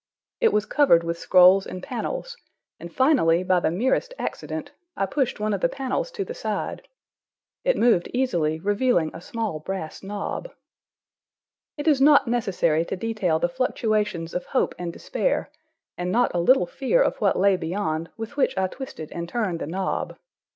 It was covered with scrolls and panels, and finally, by the merest accident, I pushed one of the panels to the side. It moved easily, revealing a small brass knob. It is not necessary to detail the fluctuations of hope and despair, and not a little fear of what lay beyond, with which I twisted and turned the knob.